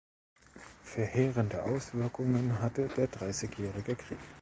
Verheerende Auswirkungen hatte der Dreißigjährige Krieg.